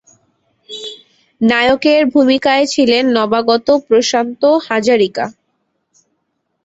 নায়কের ভূমিকায় ছিলেন নবাগত প্রশান্ত হাজারিকা।